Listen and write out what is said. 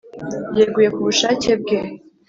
yeguye ku bushake bwe